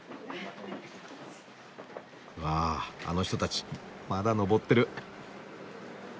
わあの人たちまだ上ってる。